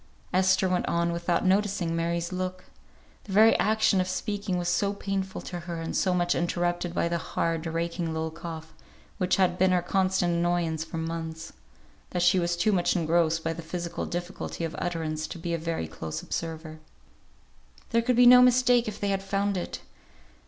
Esther went on, without noticing Mary's look. The very action of speaking was so painful to her, and so much interrupted by the hard, raking little cough, which had been her constant annoyance for months, that she was too much engrossed by the physical difficulty of utterance, to be a very close observer. "There could be no mistake if they had found it.